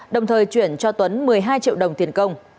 đồng thời chuyển cho tuấn một mươi hai triệu đồng tiền công